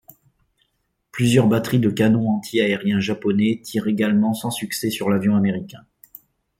Plusieurs batteries de canons anti-aériens japonais tirent également sans succès sur l'avion américain.